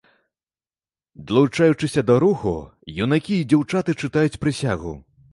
Далучаючыся да руху, юнакі і дзяўчаты чытаюць прысягу.